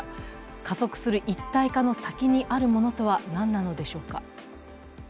加速する一体化の先にあるものとは一体何なのでしょうか。